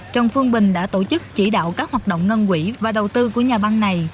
trần phương bình đã tổ chức chỉ đạo các hoạt động ngân quỹ và đầu tư của nhà băng này